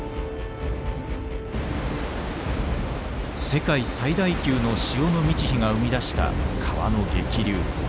世界最大級の潮の満ち干が生み出した川の激流。